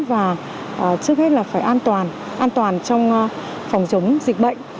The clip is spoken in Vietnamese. và trước hết là phải an toàn an toàn trong phòng chống dịch bệnh